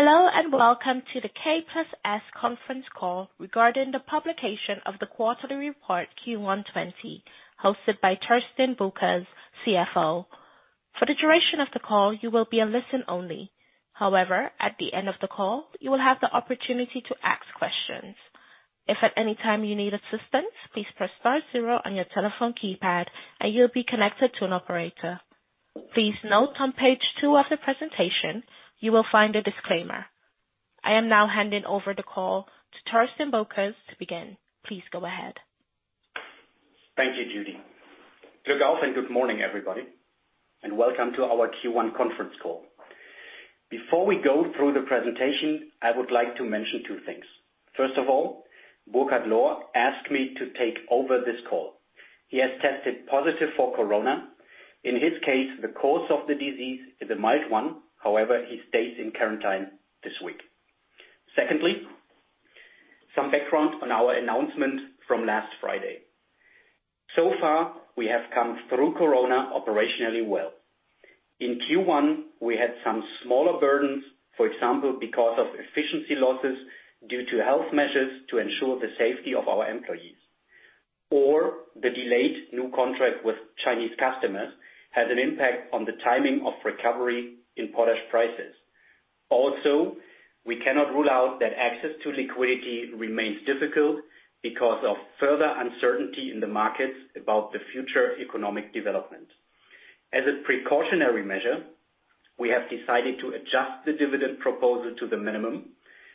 Hello, and welcome to the K+S conference call regarding the publication of the quarterly report Q1 2020, hosted by Thorsten Boeckers, CFO. For the duration of the call, you will be on listen only. At the end of the call, you will have the opportunity to ask questions. If at any time you need assistance, please press star zero on your telephone keypad, and you'll be connected to an operator. Please note on page two of the presentation, you will find a disclaimer. I am now handing over the call to Thorsten Boeckers to begin. Please go ahead. Thank you, Judy. Good afternoon, good morning, everybody, and welcome to our Q1 conference call. Before we go through the presentation, I would like to mention two things. First of all, Burkhard Lohr asked me to take over this call. He has tested positive for corona. In his case, the course of the disease is a mild one. However, he stays in quarantine this week. Secondly, some background on our announcement from last Friday. Far, we have come through corona operationally well. In Q1, we had some smaller burdens, for example, because of efficiency losses due to health measures to ensure the safety of our employees, or the delayed new contract with Chinese customers has an impact on the timing of recovery in potash prices. Also, we cannot rule out that access to liquidity remains difficult because of further uncertainty in the markets about the future economic development. As a precautionary measure, we have decided to adjust the dividend proposal to the minimum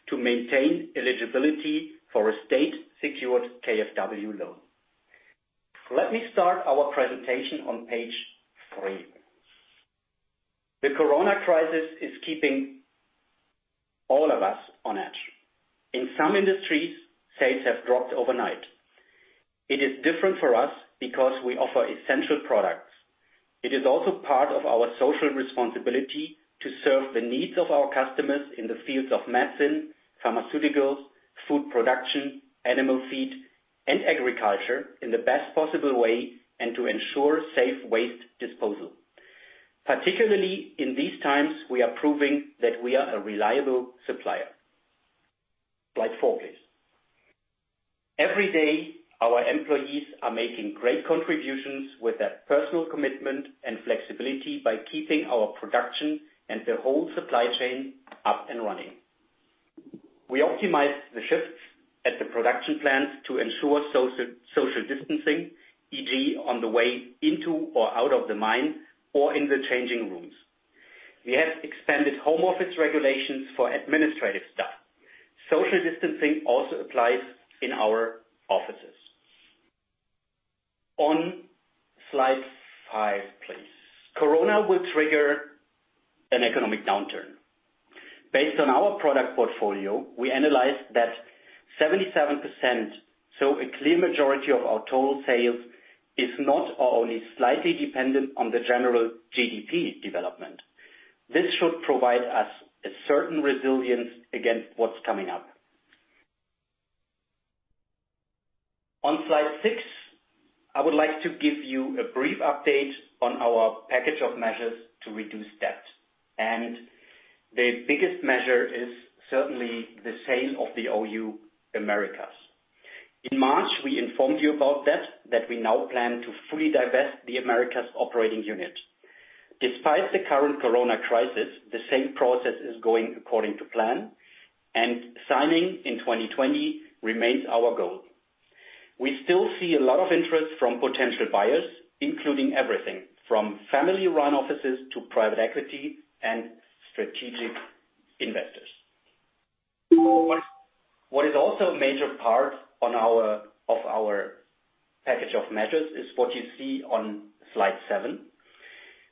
to maintain eligibility for a state-secured KfW loan. Let me start our presentation on page three. The corona crisis is keeping all of us on edge. In some industries, sales have dropped overnight. It is different for us because we offer essential products. It is also part of our social responsibility to serve the needs of our customers in the fields of medicine, pharmaceuticals, food production, animal feed, and agriculture in the best possible way, and to ensure safe waste disposal. Particularly in these times, we are proving that we are a reliable supplier. Slide four, please. Every day, our employees are making great contributions with their personal commitment and flexibility by keeping our production and the whole supply chain up and running. We optimize the shifts at the production plants to ensure social distancing, e.g., on the way into or out of the mine or in the changing rooms. We have expanded home office regulations for administrative staff. Social distancing also applies in our offices. On slide five, please. Corona will trigger an economic downturn. Based on our product portfolio, we analyzed that 77%, so a clear majority of our total sales, is not or only slightly dependent on the general GDP development. This should provide us a certain resilience against what's coming up. On slide six, I would like to give you a brief update on our package of measures to reduce debt, and the biggest measure is certainly the sale of the OU Americas. In March, we informed you about that we now plan to fully divest the Americas operating unit. Despite the current corona crisis, the same process is going according to plan, and signing in 2020 remains our goal. We still see a lot of interest from potential buyers, including everything from family-run offices to private equity and strategic investors. What is also a major part of our package of measures is what you see on slide seven,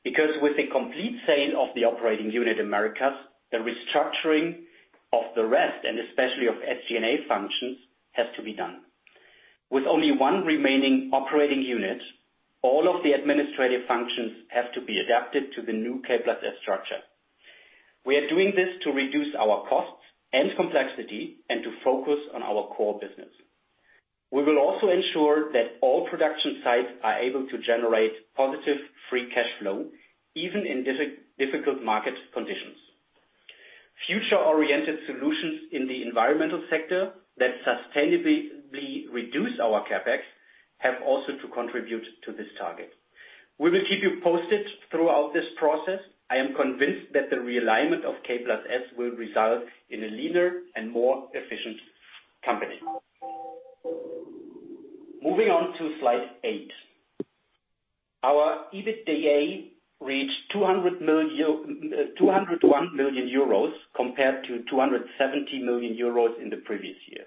because with the complete sale of the Operating Unit Americas, the restructuring of the rest, and especially of SG&A functions, has to be done. With only one remaining operating unit, all of the administrative functions have to be adapted to the new K+S structure. We are doing this to reduce our costs and complexity and to focus on our core business. We will also ensure that all production sites are able to generate positive free cash flow, even in difficult market conditions. Future-oriented solutions in the environmental sector that sustainably reduce our CapEx have also to contribute to this target. We will keep you posted throughout this process. I am convinced that the realignment of K+S will result in a leaner and more efficient company. Moving on to slide eight. Our EBITDA reached 201 million euros compared to 270 million euros in the previous year.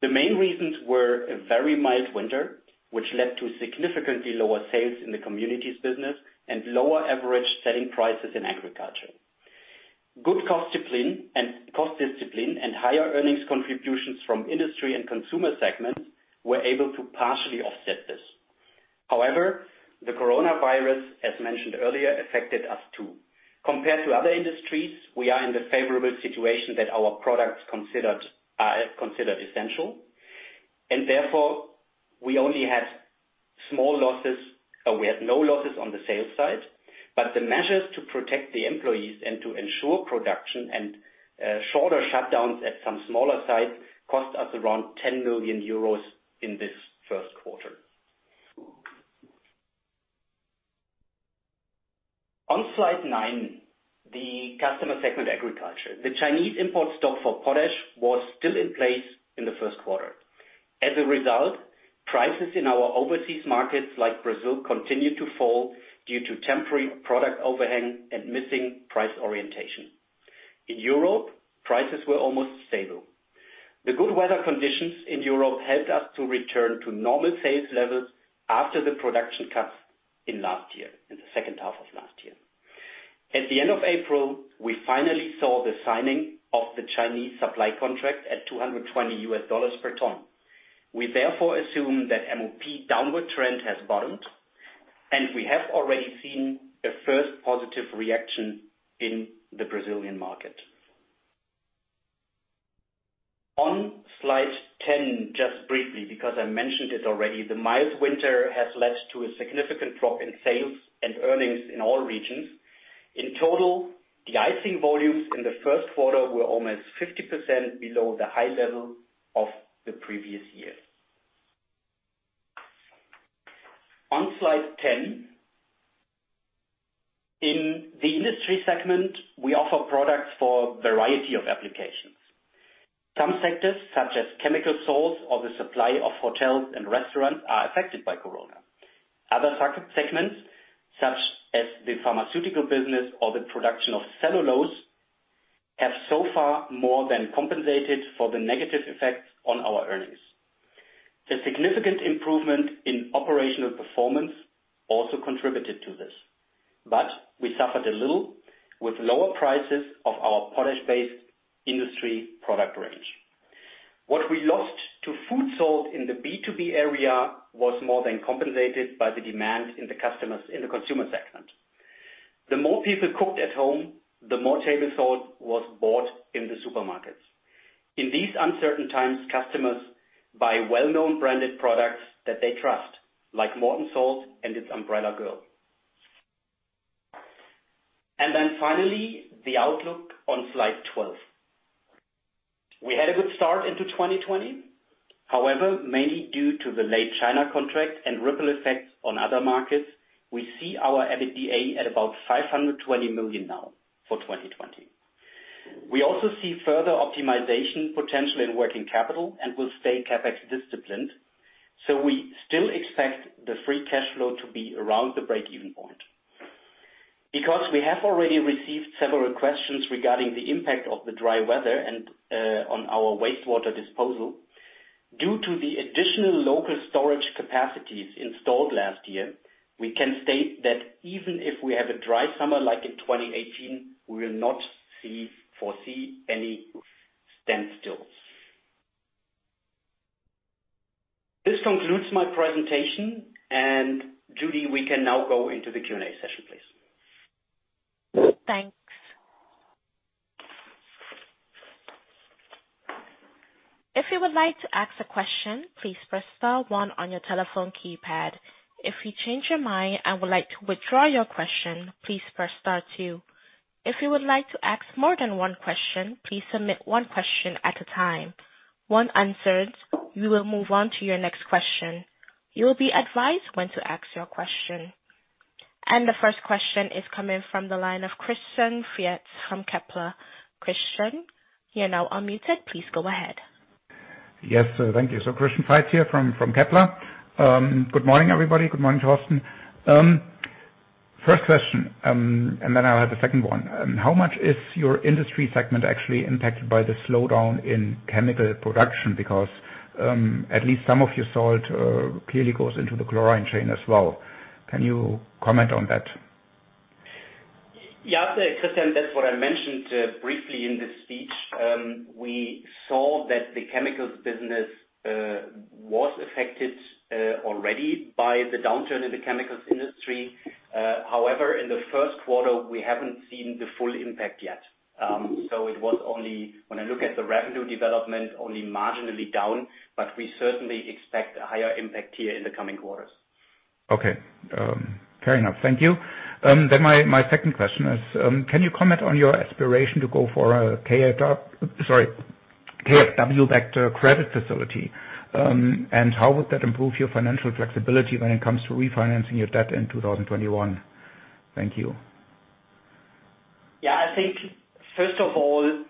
The main reasons were a very mild winter, which led to significantly lower sales in the communities business and lower average selling prices in agriculture. Good cost discipline and higher earnings contributions from industry and consumer segments were able to partially offset this. The coronavirus, as mentioned earlier, affected us too. Compared to other industries, we are in the favorable situation that our products are considered essential. Therefore, we only had small losses, or we had no losses on the sales side, but the measures to protect the employees and to ensure production and shorter shutdowns at some smaller sites cost us around 10 million euros in this first quarter. On slide nine, the customer segment agriculture. The Chinese import stock for potash was still in place in the first quarter. As a result, prices in our overseas markets like Brazil, continued to fall due to temporary product overhang and missing price orientation. In Europe, prices were almost stable. The good weather conditions in Europe helped us to return to normal sales levels after the production cuts in last year, in the second half of last year. At the end of April, we finally saw the signing of the Chinese supply contract at $220 per tonne. We therefore assume that MOP downward trend has bottomed, and we have already seen a first positive reaction in the Brazilian market. On slide 10, just briefly, because I mentioned it already, the mild winter has led to a significant drop in sales and earnings in all regions. In total, de-icing volumes in the first quarter were almost 50% below the high level of the previous year. On slide 10. In the industry segment, we offer products for a variety of applications. Some sectors, such as chemical salts or the supply of hotels and restaurants, are affected by corona. Other segments, such as the pharmaceutical business or the production of cellulose, have so far more than compensated for the negative effects on our earnings. The significant improvement in operational performance also contributed to this, but we suffered a little with lower prices of our potash-based industry product range. What we lost to food salt in the B2B area was more than compensated by the demand in the consumer segment. The more people cooked at home, the more table salt was bought in the supermarkets. In these uncertain times, customers buy well-known branded products that they trust, like Morton Salt and its umbrella girl. Finally, the outlook on slide 12. We had a good start into 2020. However, mainly due to the late China contract and ripple effects on other markets, we see our EBITDA at about 520 million now for 2020. We also see further optimization potential in working capital and will stay CapEx disciplined, so we still expect the free cash flow to be around the break-even point. Because we have already received several questions regarding the impact of the dry weather and on our wastewater disposal, due to the additional local storage capacities installed last year, we can state that even if we have a dry summer like in 2018, we will not foresee any standstills. This concludes my presentation. Judy, we can now go into the Q&A session, please. Thanks. If you would like to ask a question, please press star one on your telephone keypad. If you change your mind and would like to withdraw your question, please press star two. If you would like to ask more than one question, please submit one question at a time. Once answered, we will move on to your next question. You will be advised when to ask your question. The first question is coming from the line of Christian Faitz from Kepler. Christian, you are now unmuted. Please go ahead. Yes, thank you. Christian Faitz here from Kepler. Good morning, everybody. Good morning, Thorsten. First question, and then I have a second one. How much is your industry segment actually impacted by the slowdown in chemical production? At least some of your salt clearly goes into the chlorine chain as well. Can you comment on that? Yeah, Christian, that's what I mentioned briefly in the speech. We saw that the chemicals business was affected already by the downturn in the chemicals industry. However, in the first quarter, we haven't seen the full impact yet. It was only, when I look at the revenue development, only marginally down, but we certainly expect a higher impact here in the coming quarters. Okay. Fair enough. Thank you. My second question is, can you comment on your aspiration to go for a KfW-backed credit facility? How would that improve your financial flexibility when it comes to refinancing your debt in 2021? Thank you. I think, first of all,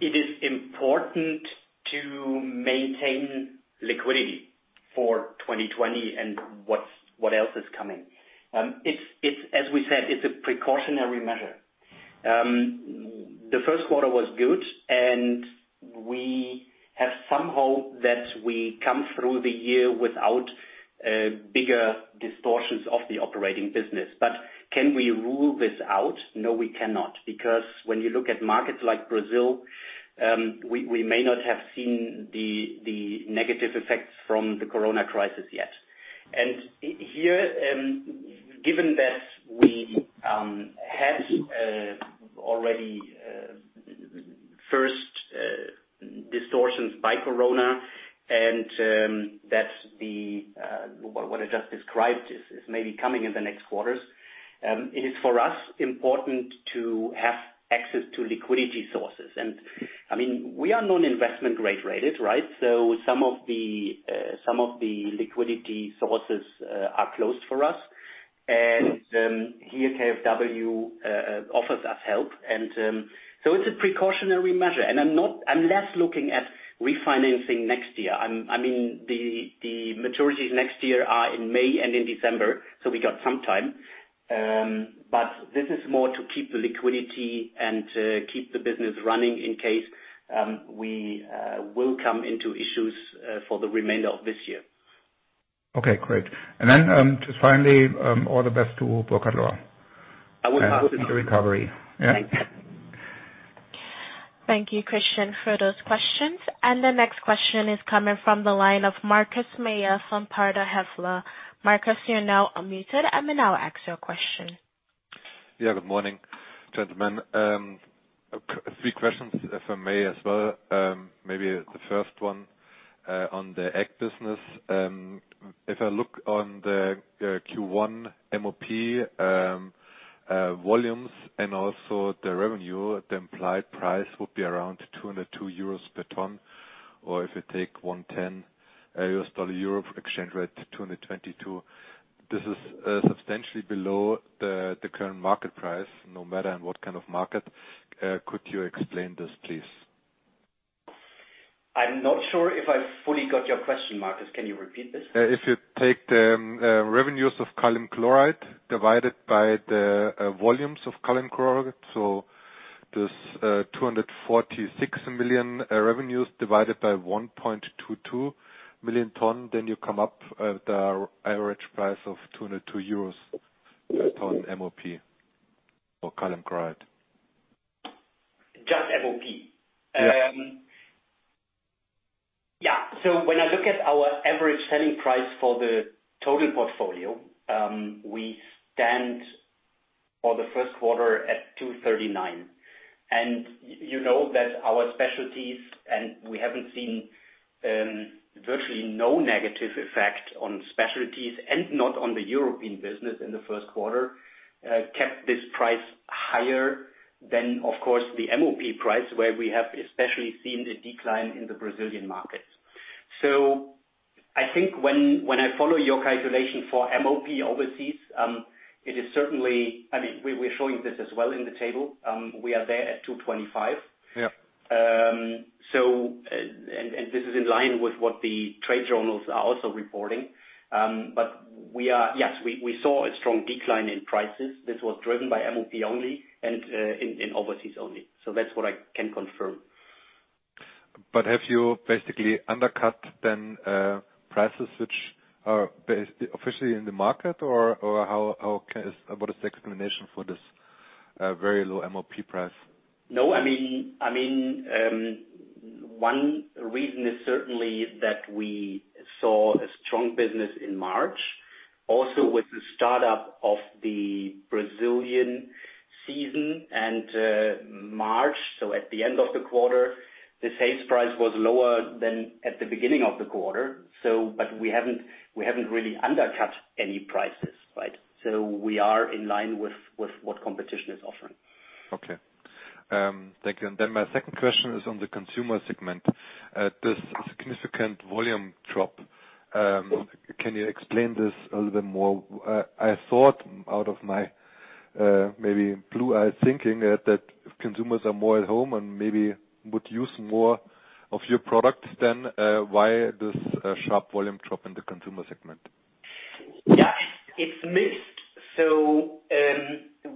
it is important to maintain liquidity for 2020 and what else is coming. As we said, it's a precautionary measure. The first quarter was good. We have some hope that we come through the year without bigger distortions of the operating business. Can we rule this out? No, we cannot. When you look at markets like Brazil, we may not have seen the negative effects from the coronavirus crisis yet. Here, given that we had already first distortions by corona and what I just described is maybe coming in the next quarters, it is, for us, important to have access to liquidity sources. We are non-investment grade rated, right? Some of the liquidity sources are closed for us. Here, KfW offers us help. It's a precautionary measure. I'm less looking at refinancing next year. The maturities next year are in May and in December. We got some time. This is more to keep the liquidity and to keep the business running in case we will come into issues for the remainder of this year. Okay, great. Just finally, all the best to Burkhard Lohr. I will pass it on. A quick recovery. Thanks. Thank you, Christian, for those questions. The next question is coming from the line of Markus Mayer from Baader Helvea. Markus, you're now unmuted and may now ask your question. Yeah, good morning, gentlemen. Three questions, if I may, as well. Maybe the first one, on the ag business. If I look on the Q1 MOP volumes and also the revenue, the implied price would be around 202 euros per tonne. If you take $1.10 U.S. dollar/EURO exchange rate, $222. This is substantially below the current market price, no matter in what kind of market. Could you explain this, please? I'm not sure if I fully got your question, Markus. Can you repeat this? If you take the revenues of potassium chloride divided by the volumes of potassium chloride, so this 246 million revenues divided by 1.22 million tonnes, then you come up with the average price of 202 euros per tonne MOP or potassium chloride. Just MOP? Yes. Yeah. When I look at our average selling price for the total portfolio, we stand for the first quarter at 239. You know that our specialties, and we haven't seen virtually no negative effect on specialties and not on the European business in the first quarter, kept this price higher than, of course, the MOP price, where we have especially seen a decline in the Brazilian markets. I think when I follow your calculation for MOP overseas, we're showing this as well in the table. We are there at 225. Yeah. This is in line with what the trade journals are also reporting. Yes, we saw a strong decline in prices. This was driven by MOP only and in overseas only. That's what I can confirm. Have you basically undercut then prices which are officially in the market? Or what is the explanation for this very low MOP price? No. One reason is certainly that we saw a strong business in March, also with the startup of the Brazilian season and March. At the end of the quarter, the sales price was lower than at the beginning of the quarter. We haven't really undercut any prices, right? We are in line with what competition is offering. Okay. Thank you. My second question is on the consumer segment. This significant volume drop, can you explain this a little bit more? I thought, out of my maybe blue-eyed thinking, that if consumers are more at home and maybe would use more of your products, then why this sharp volume drop in the consumer segment? It's mixed.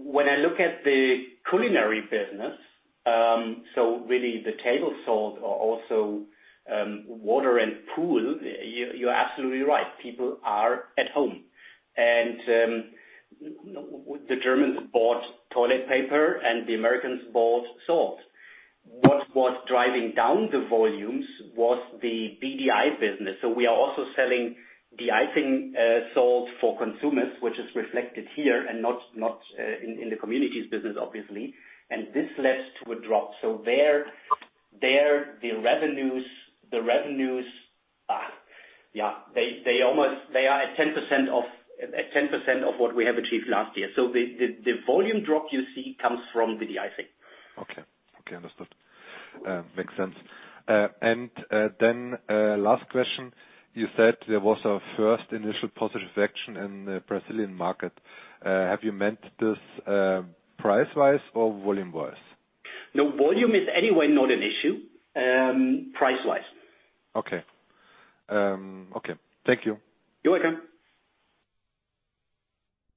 When I look at the culinary business, really the table salt or also Water and Pool, you're absolutely right. People are at home. The Germans bought toilet paper and the Americans bought salt. What was driving down the volumes was the de-icing business. We are also selling the de-icing salt for consumers, which is reflected here and not in the communities business, obviously. This led to a drop. There, the revenues are at 10% of what we have achieved last year. The volume drop you see comes from the de-icing. Okay. Understood. Makes sense. Last question. You said there was a first initial positive action in the Brazilian market. Have you meant this price-wise or volume-wise? No, volume is anyway not an issue. Price-wise. Okay. Thank you. You're welcome.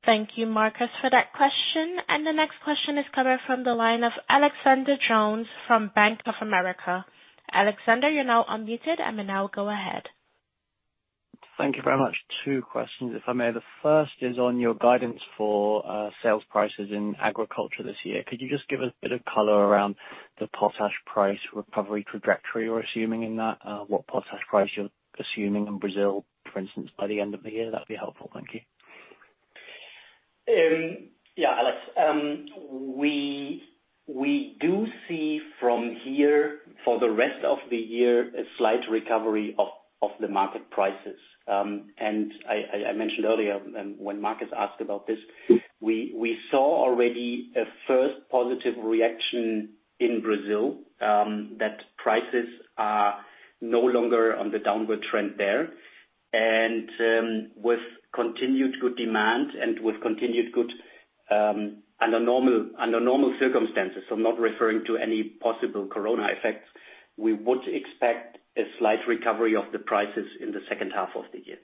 Thank you, Markus, for that question. The next question is coming from the line of Alexander Jones from Bank of America. Alexander, you're now unmuted and may now go ahead. Thank you very much. Two questions, if I may. The first is on your guidance for sales prices in agriculture this year. Could you just give us a bit of color around the potash price recovery trajectory you're assuming in that, what potash price you're assuming in Brazil, for instance, by the end of the year? That'd be helpful. Thank you. Yeah, Alex. We do see from here for the rest of the year, a slight recovery of the market prices. I mentioned earlier when Markus asked about this, we saw already a first positive reaction in Brazil, that prices are no longer on the downward trend there. With continued good demand and under normal circumstances, so I'm not referring to any possible corona effects, we would expect a slight recovery of the prices in the second half of the year.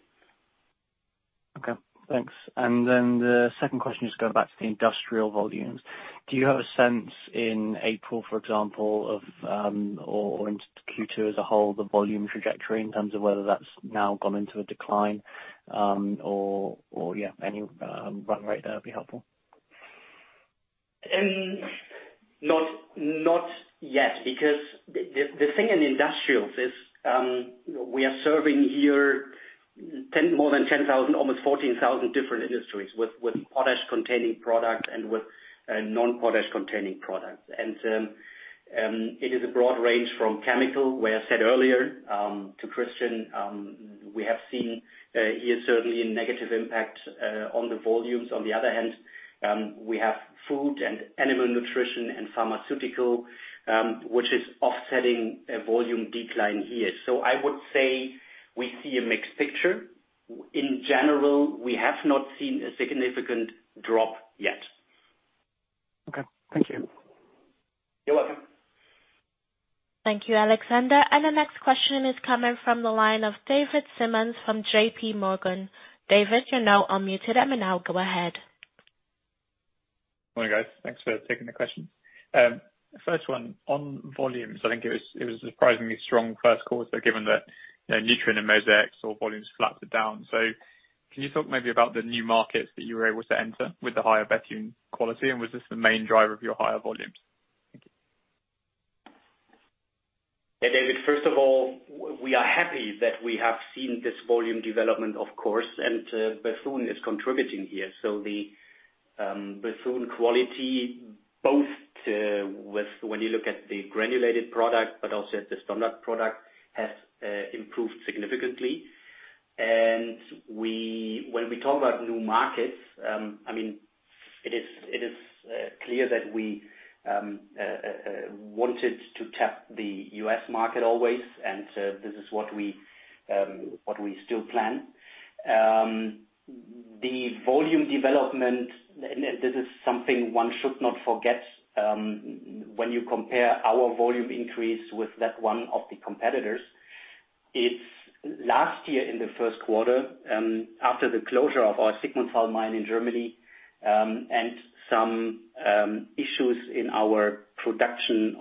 Okay, thanks. The second question, just going back to the industrial volumes, do you have a sense in April, for example, or into Q2 as a whole, the volume trajectory in terms of whether that's now gone into a decline, or, yeah, any run rate there would be helpful? Not yet, because the thing in industrials is, we are serving here more than 10,000, almost 14,000 different industries with potash-containing products and with non-potash-containing products. It is a broad range from chemical, where I said earlier, to Christian, we have seen here certainly a negative impact on the volumes. On the other hand, we have food and animal nutrition and pharmaceutical, which is offsetting a volume decline here. I would say we see a mixed picture. In general, we have not seen a significant drop yet. Okay. Thank you. You're welcome. Thank you, Alexander. The next question is coming from the line of David Symonds from JPMorgan. David, you're now unmuted, and now go ahead. Morning, guys. Thanks for taking the question. First one, on volumes, I think it was a surprisingly strong first quarter, given that Nutrien and Mosaic saw volumes flat to down. Can you talk maybe about the new markets that you were able to enter with the higher Bethune quality? Was this the main driver of your higher volumes? Thank you. Yeah, David. First of all, we are happy that we have seen this volume development, of course, and Bethune is contributing here. The Bethune quality, both when you look at the granulated product, but also at the standard product, has improved significantly. When we talk about new markets, it is clear that we wanted to tap the U.S. market always, and this is what we still plan. The volume development, this is something one should not forget, when you compare our volume increase with that one of the competitors. It is last year in the first quarter, after the closure of our Sigmundshall mine in Germany, and some issues on our production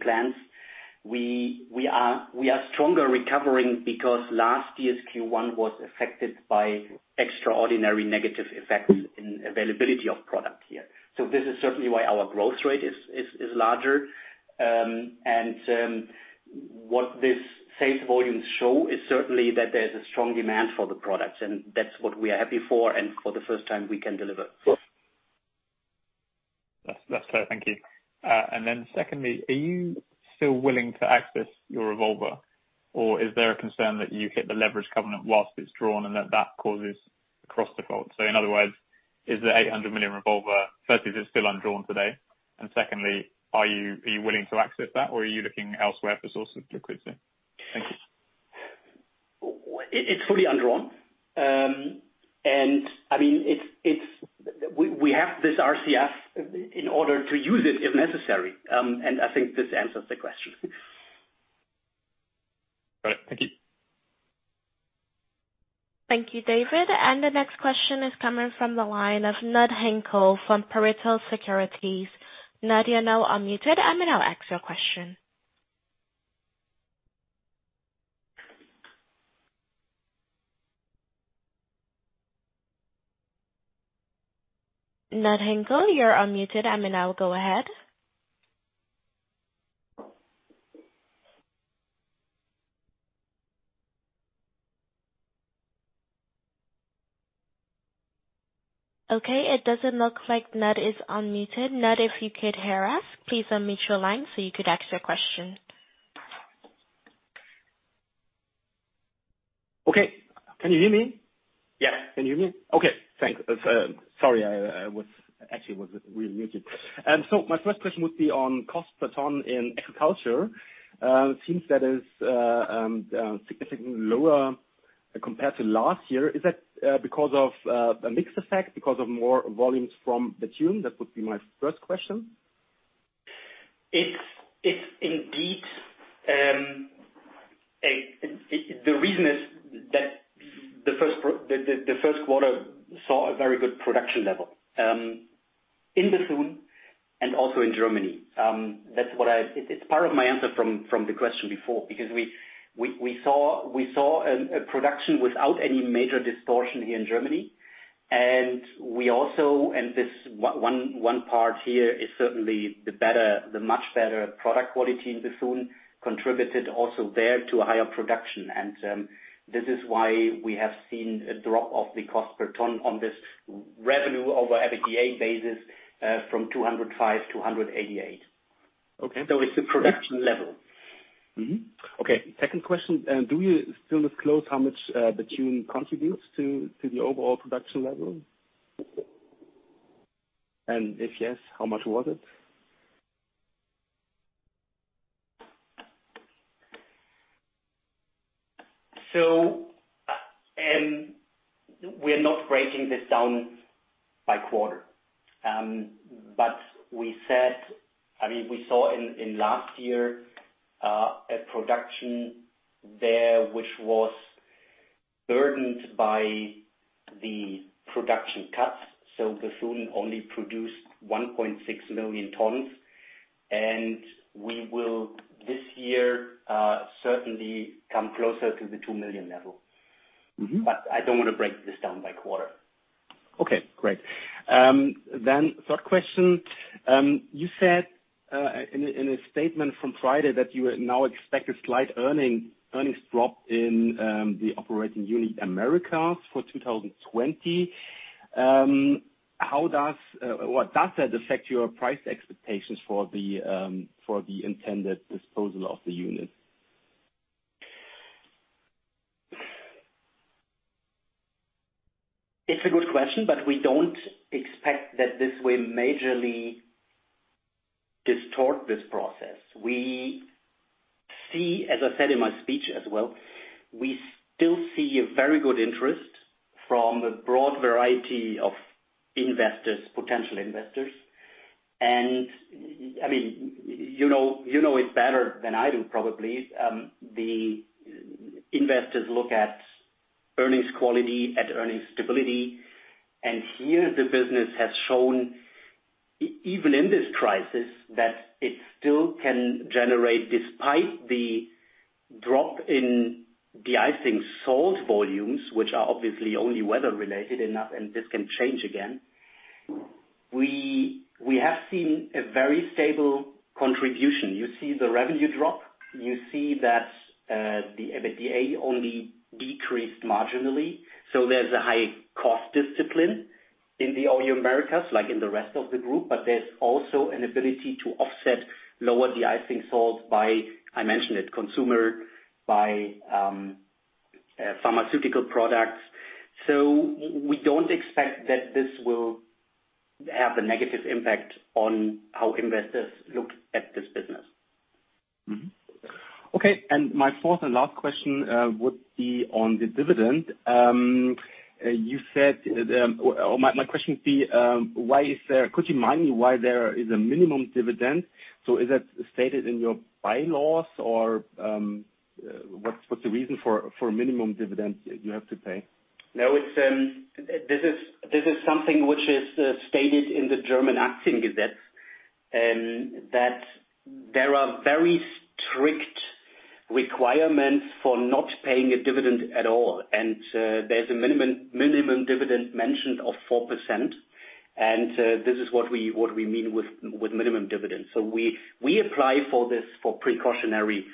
plans. We are stronger recovering because last year's Q1 was affected by extraordinary negative effects in availability of product here. This is certainly why our growth rate is larger. What these sales volumes show is certainly that there's a strong demand for the products, and that's what we are happy for and for the first time, we can deliver. That's clear. Thank you. Secondly, are you still willing to access your revolver, or is there a concern that you hit the leverage covenant whilst it's drawn and that that causes a cross default? In other words, is the 800 million revolver firstly, is it still undrawn today? Secondly, are you willing to access that, or are you looking elsewhere for source of liquidity? Thank you. It's fully undrawn. We have this RCF in order to use it if necessary, I think this answers the question. All right. Thank you. Thank you, David. The next question is coming from the line of Knud Hinkel from Pareto Securities. Knud, you're now unmuted, and now ask your question. Knud Hinkel, you're unmuted, and now go ahead. Okay, it doesn't look like Knud is unmuted. Knud, if you could hear us, please unmute your line so you could ask your question. Okay. Can you hear me? Yeah. Can you hear me? Okay. Thanks. Sorry, I actually was muted. My first question would be on cost per tonne in agriculture. It seems that is significantly lower compared to last year. Is that because of a mix effect? Because of more volumes from Bethune? That would be my first question. It's indeed. The reason is that the first quarter saw a very good production level, in Bethune and also in Germany. It's part of my answer from the question before. We saw a production without any major distortion here in Germany, and one part here is certainly the much better product quality in Bethune contributed also there to a higher production. This is why we have seen a drop of the cost per tonne on this revenue over EBITDA basis from 205 million to 188 million. Okay. It's a production level. Okay. Second question, do you still disclose how much Bethune contributes to the overall production level? If yes, how much was it? We are not breaking this down by quarter. We saw in last year, a production there which was burdened by the production cuts. Bethune only produced 1.6 million tonnes, and we will this year, certainly come closer to the 2 million level. I don't want to break this down by quarter. Okay, great. Third question. You said, in a statement from Friday that you now expect a slight earnings drop in the Operating Unit Americas for 2020. Does that affect your price expectations for the intended disposal of the unit? It's a good question. We don't expect that this will majorly distort this process. As I said in my speech as well, we still see a very good interest from a broad variety of potential investors. You know it better than I do, probably. The investors look at earnings quality, at earnings stability, and here the business has shown, even in this crisis, that it still can generate despite the drop in de-icing salt volumes, which are obviously only weather-related and this can change again. We have seen a very stable contribution. You see the revenue drop. You see that the EBITDA only decreased marginally. There's a high cost discipline in the OU Americas, like in the rest of the group, but there's also an ability to offset lower de-icing salts by, I mentioned it, consumer, by pharmaceutical products. We don't expect that this will have a negative impact on how investors look at this business. Mm-hmm. Okay, my fourth and last question would be on the dividend. Could you remind me why there is a minimum dividend? Is that stated in your bylaws or, what's the reason for minimum dividend you have to pay? This is something which is stated in the German Aktiengesetz, that there are very strict requirements for not paying a dividend at all. There's a minimum dividend mentioned of 4%. This is what we mean with minimum dividends. We apply for this for precautionary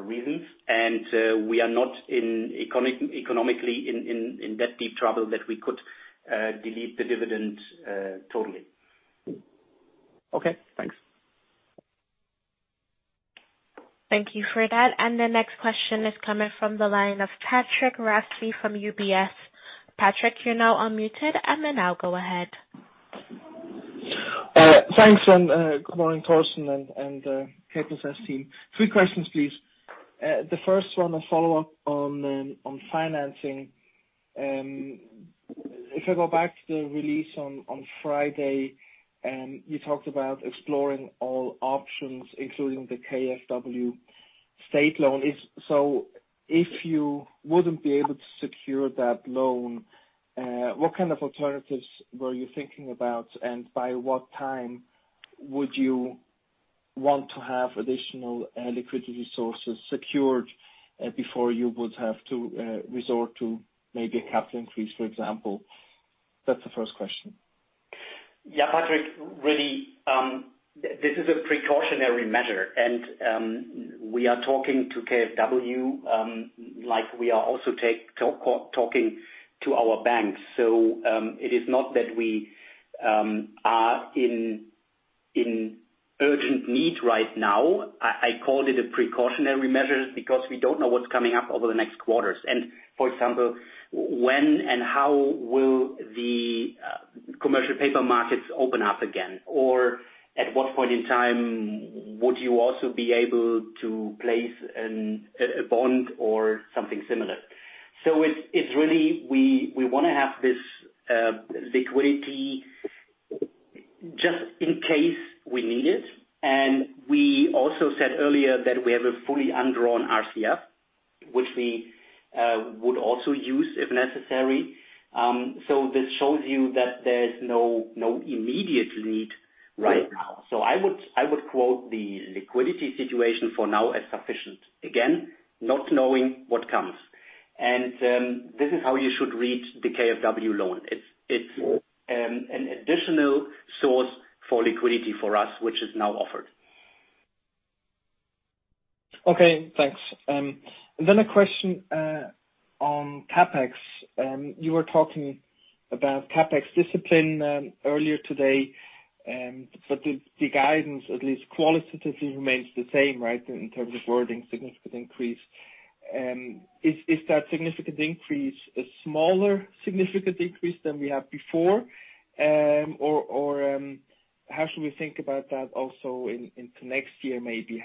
reasons, and we are not economically in that deep trouble that we could delete the dividend totally. Okay, thanks. Thank you for that. The next question is coming from the line of Patrick Rafaisz from UBS. Patrick, you're now unmuted, and now go ahead. Thanks. Good morning, Thorsten and the K+S team. Three questions, please. The first one, a follow-up on financing. If I go back to the release on Friday, you talked about exploring all options, including the KfW state loan. If you wouldn't be able to secure that loan, what kind of alternatives were you thinking about? By what time would you want to have additional liquidity sources secured before you would have to resort to maybe a capital increase, for example? That's the first question. Patrick, really, this is a precautionary measure and we are talking to KfW, like we are also talking to our banks. It is not that we are in urgent need right now. I called it a precautionary measure because we don't know what's coming up over the next quarters. For example, when and how will the commercial paper markets open up again? At what point in time would you also be able to place a bond or something similar? It's really, we want to have this liquidity just in case we need it. We also said earlier that we have a fully undrawn RCF, which we would also use if necessary. This shows you that there's no immediate need right now. I would quote the liquidity situation for now as sufficient, again, not knowing what comes. This is how you should read the KfW loan. It's an additional source for liquidity for us, which is now offered. Okay, thanks. A question on CapEx. You were talking about CapEx discipline earlier today, the guidance, at least qualitatively, remains the same, right? In terms of wording, significant increase. Is that significant increase a smaller significant increase than we had before? How should we think about that also into next year, maybe?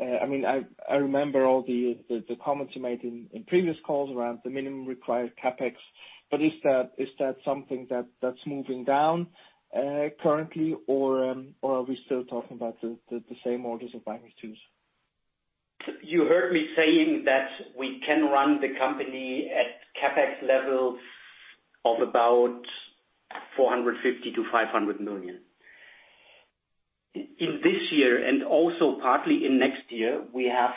I remember all the comments you made in previous calls around the minimum required CapEx, is that something that's moving down currently or are we still talking about the same orders of magnitudes? You heard me saying that we can run the company at CapEx levels of about 450 million-500 million. In this year, and also partly in next year, we have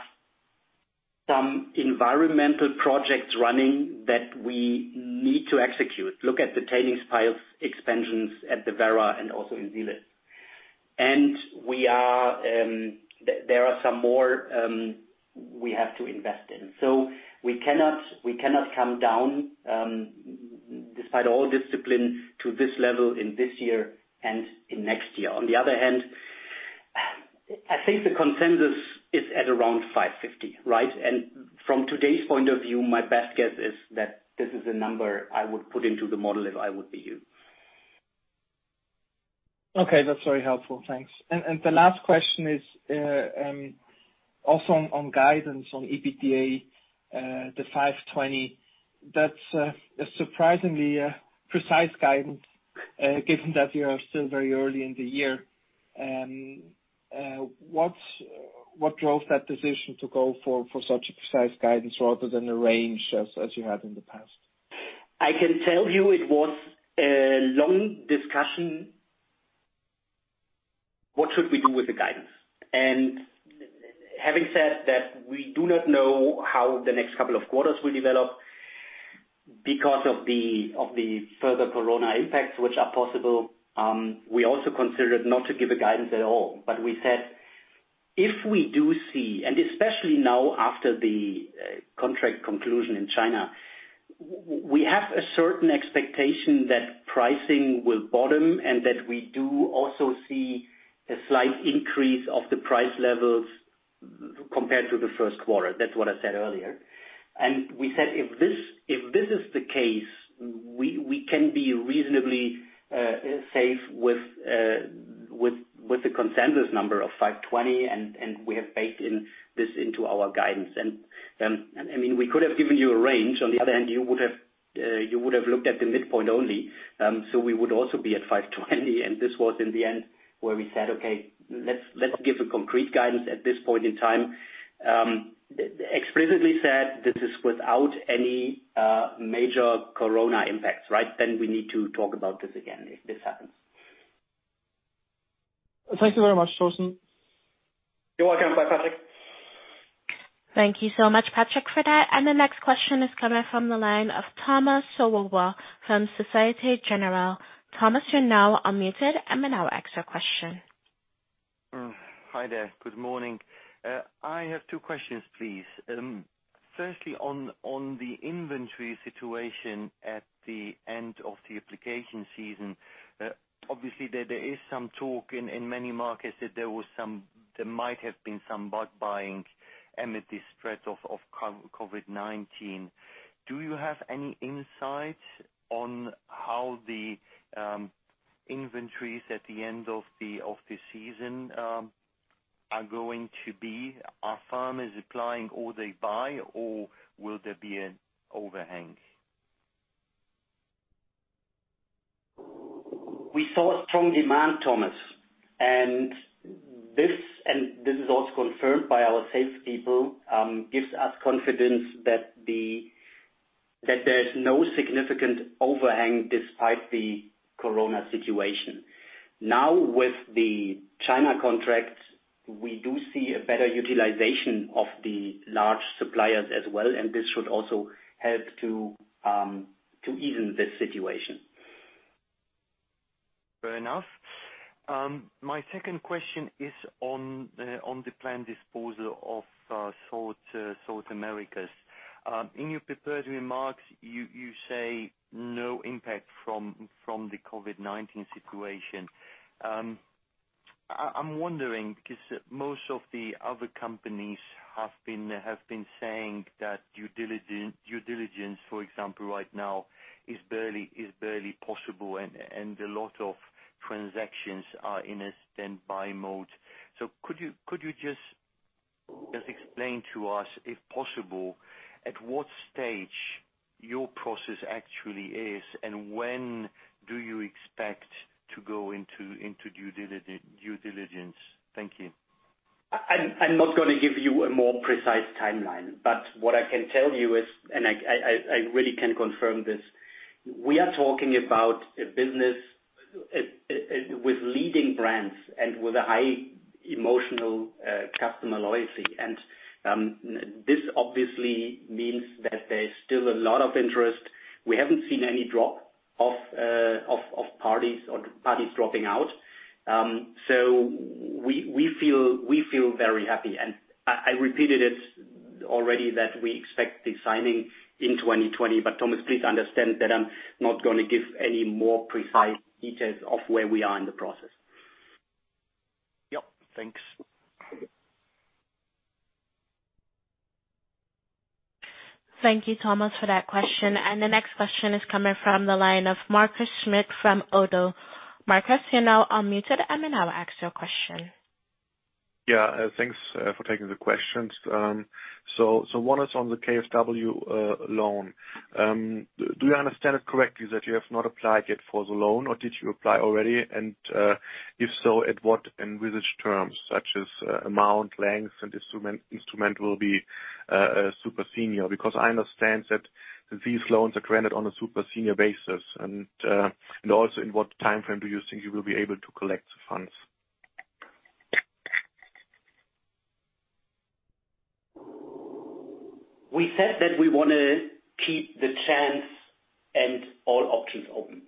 some environmental projects running that we need to execute. Look at the tailings piles expansions at the Werra and also in Zielitz. There are some more we have to invest in. We cannot come down, despite all discipline, to this level in this year and in next year. On the other hand, I think the consensus is at around 550 million, right? From today's point of view, my best guess is that this is a number I would put into the model if I would be you. Okay, that's very helpful. Thanks. The last question is, also on guidance on EBITDA, the 520 million. That's a surprisingly precise guidance, given that we are still very early in the year. What drove that decision to go for such a precise guidance rather than a range as you had in the past? I can tell you it was a long discussion, what should we do with the guidance? Having said that, we do not know how the next couple of quarters will develop because of the further corona impacts which are possible. We also considered not to give a guidance at all. We said, if we do see, and especially now after the contract conclusion in China, we have a certain expectation that pricing will bottom and that we do also see a slight increase of the price levels compared to the first quarter. That's what I said earlier. We said, if this is the case, we can be reasonably safe with the consensus number of 520 million, and we have baked this into our guidance. We could have given you a range. On the other hand, you would have looked at the midpoint only. We would also be at 520 million. This was in the end where we said, "Okay, let's give a concrete guidance at this point in time." Explicitly said, this is without any major corona impacts. We need to talk about this again if this happens. Thank you very much, Thorsten. You're welcome. Bye, Patrick. Thank you so much, Patrick, for that. The next question is coming from the line of Thomas Swoboda from Societe Generale. Thomas, you're now unmuted. You may now ask your question. Hi there. Good morning. I have two questions, please. Firstly, on the inventory situation at the end of the application season, obviously there is some talk in many markets that there might have been some bulk buying amid the threat of COVID-19. Do you have any insight on how the inventories at the end of the season are going to be? Are farmers applying all they buy or will there be an overhang? We saw a strong demand, Thomas. This is also confirmed by our salespeople, gives us confidence that there's no significant overhang despite the corona situation. With the China contracts, we do see a better utilization of the large suppliers as well, and this should also help to even this situation. Fair enough. My second question is on the planned disposal of the Americas. In your prepared remarks, you say no impact from the COVID-19 situation. I'm wondering, because most of the other companies have been saying that due diligence, for example, right now is barely possible and a lot of transactions are in a standby mode. Could you just explain to us, if possible, at what stage your process actually is and when do you expect to go into due diligence? Thank you. I'm not going to give you a more precise timeline, but what I can tell you is, and I really can confirm this, we are talking about a business with leading brands and with a high emotional customer loyalty. This obviously means that there's still a lot of interest. We haven't seen any drop of parties or parties dropping out. We feel very happy. I repeated it already that we expect the signing in 2020. Thomas, please understand that I'm not going to give any more precise details of where we are in the process. Yep. Thanks. Thank you, Thomas, for that question. The next question is coming from the line of Markus Schmitt from ODDO. Markus, you're now unmuted. I mean, I'll ask your question. Yeah. Thanks for taking the questions. One is on the KfW loan. Do I understand it correctly that you have not applied yet for the loan? Did you apply already? If so, at what and with which terms such as amount, length, and instrument will be super senior? Because I understand that these loans are granted on a super senior basis. Also in what timeframe do you think you will be able to collect the funds? We said that we want to keep the chance and all options open.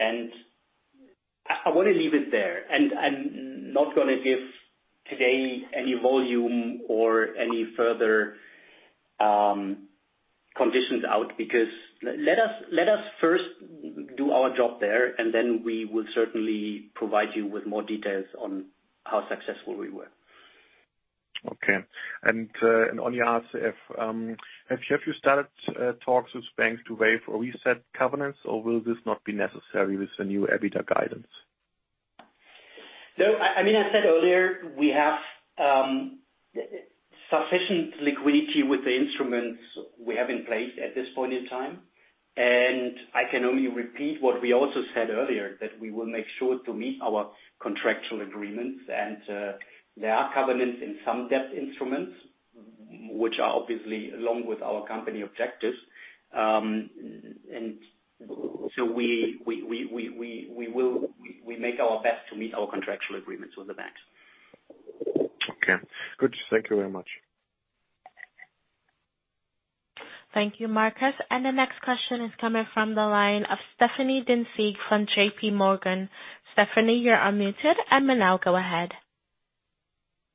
I want to leave it there, and I'm not going to give today any volume or any further conditions out because let us first do our job there, and then we will certainly provide you with more details on how successful we were. Okay. Anja asks if, have you started talks with banks to waive or reset covenants, or will this not be necessary with the new EBITDA guidance? No. I mean, I said earlier we have sufficient liquidity with the instruments we have in place at this point in time. I can only repeat what we also said earlier, that we will make sure to meet our contractual agreements. There are covenants in some debt instruments, which are obviously along with our company objectives. We make our best to meet our contractual agreements with the banks. Okay, good. Thank you very much. Thank you, Markus. The next question is coming from the line of Stephanie Vincent from JPMorgan. Stephanie, you're unmuted. Now go ahead.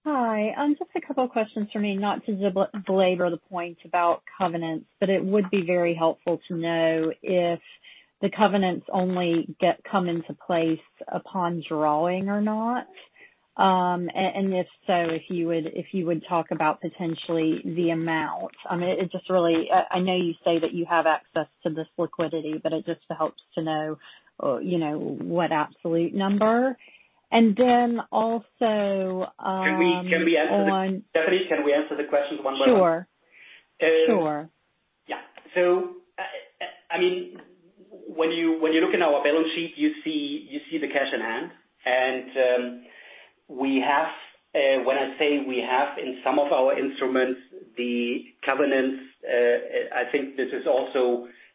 Hi. Just a couple of questions from me, not to belabor the point about covenants, but it would be very helpful to know if the covenants only come into place upon drawing or not. If so, if you would talk about potentially the amount? I know you say that you have access to this liquidity, but it just helps to know what absolute number. Then also. Stephanie, can we answer the questions one by one? Sure. I mean, when you look in our balance sheet, you see the cash on hand. When I say we have in some of our instruments, the covenants, I think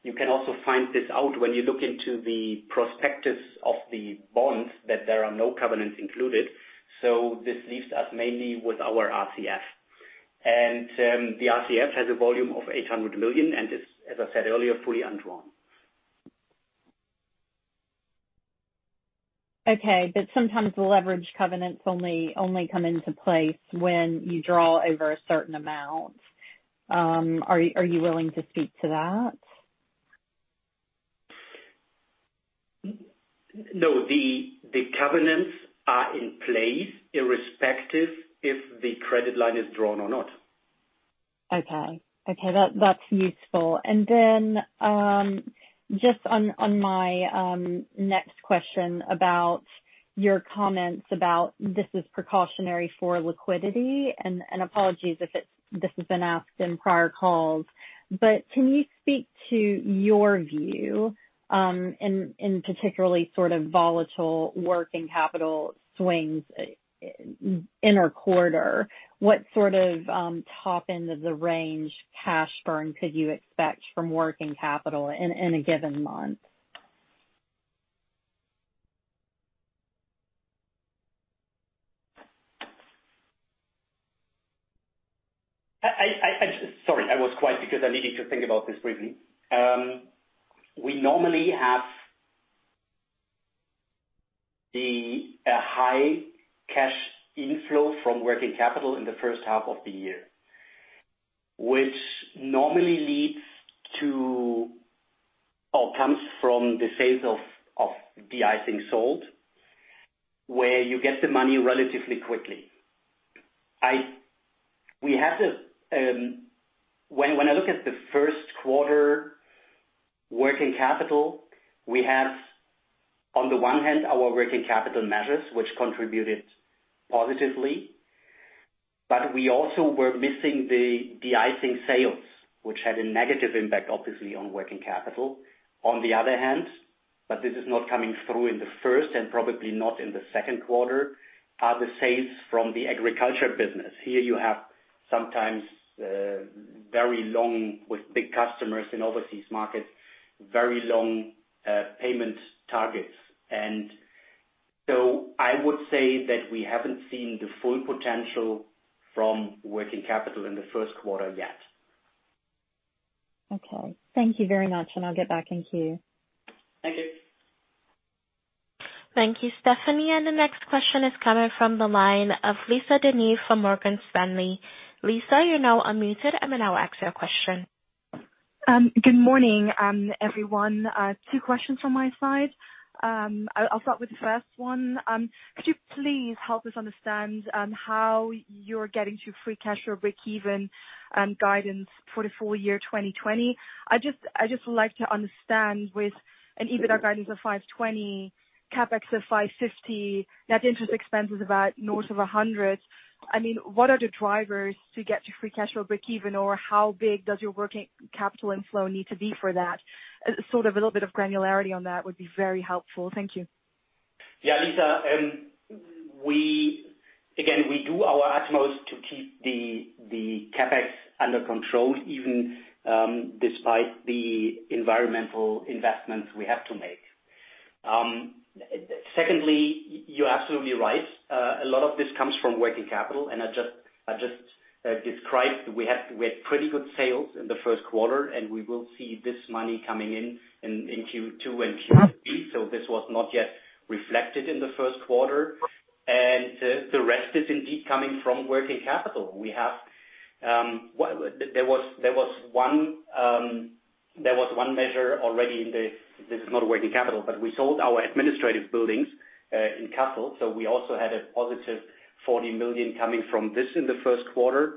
you can also find this out when you look into the prospectus of the bonds, that there are no covenants included. This leaves us mainly with our RCF. The RCF has a volume of 800 million, and is, as I said earlier, fully undrawn. Okay, sometimes the leverage covenants only come into place when you draw over a certain amount. Are you willing to speak to that? No. The covenants are in place irrespective if the credit line is drawn or not. Okay. That's useful. Just on my next question about your comments about this is precautionary for liquidity and apologies if this has been asked in prior calls. Can you speak to your view, in particularly sort of volatile working capital swings inner quarter. What sort of top end of the range cash burn could you expect from working capital in a given month? Sorry, I was quiet because I needed to think about this briefly. We normally have a high cash inflow from working capital in the first half of the year, which normally leads to or comes from the sales of de-icing salt, where you get the money relatively quickly. When I look at the first quarter working capital, we have, on the one hand, our working capital measures, which contributed positively, but we also were missing the de-icing sales, which had a negative impact, obviously, on working capital. On the other hand, this is not coming through in the first and probably not in the second quarter, are the sales from the agriculture business. Here you have sometimes, very long with big customers in overseas markets, very long payment targets. I would say that we haven't seen the full potential from working capital in the first quarter yet. Okay. Thank you very much and I'll get back in queue. Thank you. Thank you, Stephanie. The next question is coming from the line of Lisa De Neve from Morgan Stanley. Lisa, you're now unmuted and may now ask your question. Good morning, everyone. Two questions from my side. I'll start with the first one. Could you please help us understand how you're getting to free cash or breakeven guidance for the full year 2020? I just would like to understand with an EBITDA guidance of 520 million, CapEx of 550 million, net interest expense is about north of 100 million. What are the drivers to get to free cash flow breakeven or how big does your working capital and flow need to be for that? Sort of a little bit of granularity on that would be very helpful. Thank you. Yeah, Lisa. Again, we do our utmost to keep the CapEx under control, even despite the environmental investments we have to make. You're absolutely right. A lot of this comes from working capital. I just described, we had pretty good sales in the first quarter. We will see this money coming in Q2 and Q3. This was not yet reflected in the first quarter. The rest is indeed coming from working capital. There was one measure already in the, this is not a working capital, we sold our administrative buildings, in Kassel. We also had a positive 40 million coming from this in the first quarter.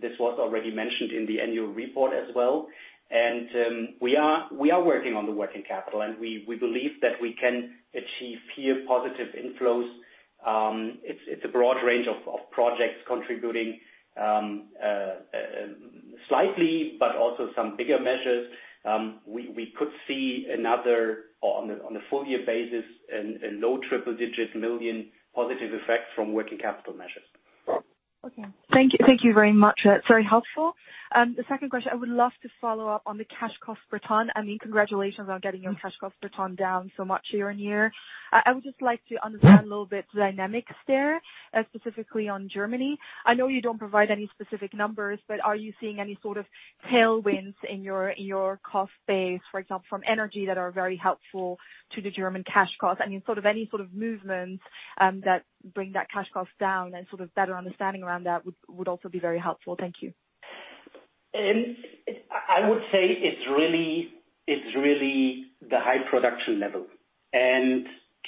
This was already mentioned in the annual report as well. We are working on the working capital. We believe that we can achieve here positive inflows. It's a broad range of projects contributing slightly, but also some bigger measures. We could see another, on a full year basis, a low triple-digit million positive effect from working capital measures. Okay. Thank you very much. That's very helpful. The second question, I would love to follow up on the cash cost per tonne. Congratulations on getting your cash cost per tonne down so much year-on-year. I would just like to understand a little bit the dynamics there, specifically on Germany. I know you don't provide any specific numbers, but are you seeing any sort of tailwinds in your cost base, for example, from energy that are very helpful to the German cash cost? Any sort of movements, that bring that cash cost down and sort of better understanding around that would also be very helpful. Thank you. I would say it's really the high production level.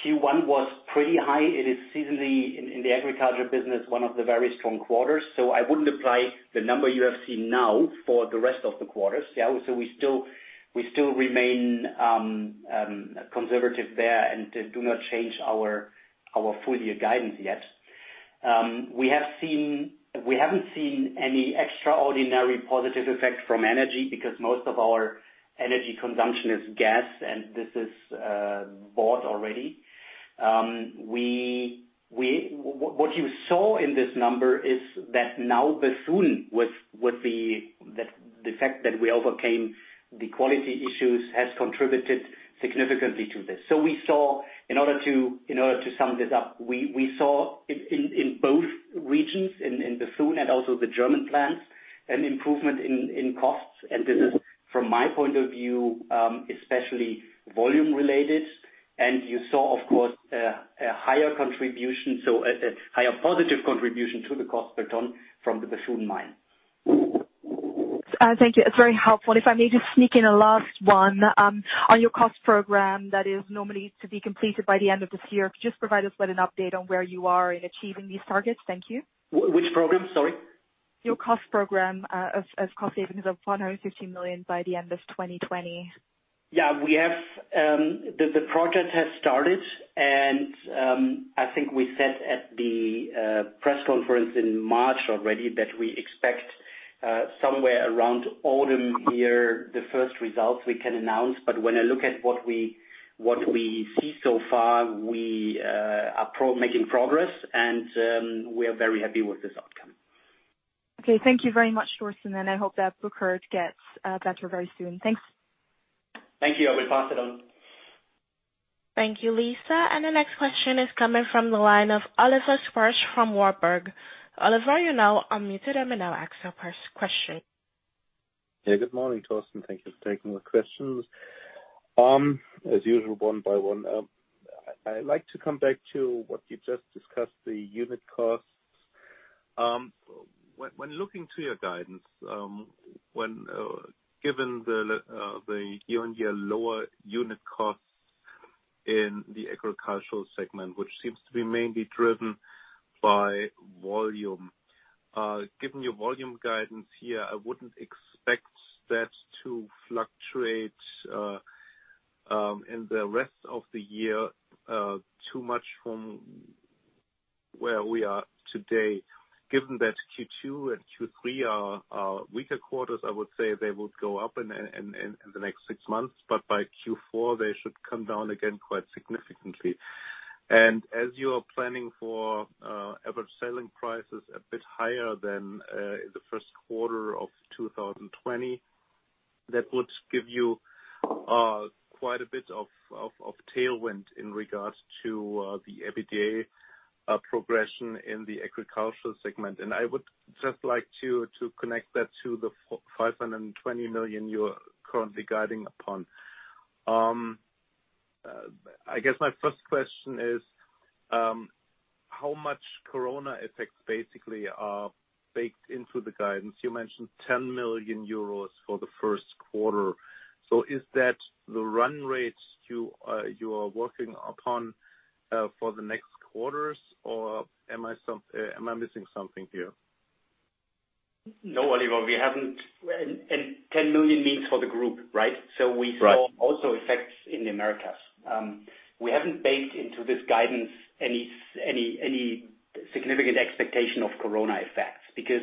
Q1 was pretty high. It is seasonally in the agriculture business, one of the very strong quarters. I wouldn't apply the number you have seen now for the rest of the quarters. Yeah, we still remain conservative there and do not change our full year guidance yet. We haven't seen any extraordinary positive effect from energy because most of our energy consumption is gas, and this is bought already. What you saw in this number is that now Bethune with the fact that we overcame the quality issues, has contributed significantly to this. In order to sum this up, we saw in both regions, in Bethune and also the German plants, an improvement in costs. This is from my point of view, especially volume related. You saw, of course, a higher contribution, so a higher positive contribution to the cost per tonne from the Bethune mine. Thank you. It's very helpful. If I may just sneak in a last one. On your cost program that is normally to be completed by the end of this year, could you just provide us with an update on where you are in achieving these targets? Thank you. Which program? Sorry. Your cost program, of cost savings of 150 million by the end of 2020. The project has started and I think we said at the press conference in March already that we expect somewhere around autumn here, the first results we can announce. When I look at what we see so far, we are making progress and we are very happy with this outcome. Okay. Thank you very much, Thorsten. I hope that Burkhard gets better very soon. Thanks. Thank you. I will pass it on. Thank you, Lisa. The next question is coming from the line of Oliver Schwarz from Warburg. Oliver, you are now unmuted and may now ask your first question. Yeah. Good morning, Thorsten. Thank you for taking the questions. As usual, one by one. I like to come back to what you just discussed, the unit costs. When looking to your guidance, given the year-on-year lower unit costs in the agricultural segment, which seems to be mainly driven by volume, given your volume guidance here, I wouldn't expect that to fluctuate, in the rest of the year, too much from where we are today. Given that Q2 and Q3 are weaker quarters, I would say they would go up in the next six months, but by Q4, they should come down again quite significantly. As you are planning for average selling prices a bit higher than the first quarter of 2020. That would give you quite a bit of tailwind in regards to the EBITDA progression in the agricultural segment. I would just like to connect that to the 520 million you're currently guiding upon. I guess my first question is, how much corona effects basically are baked into the guidance? You mentioned 10 million euros for the first quarter. Is that the run rate you are working upon for the next quarters, or am I missing something here? No, Oliver, we haven't. 10 million means for the group, right? Right. We saw also effects in the Americas. We haven't baked into this guidance any significant expectation of corona effects, because